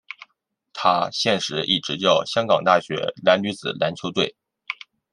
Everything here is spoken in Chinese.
他现时亦执教香港大学男女子篮球队。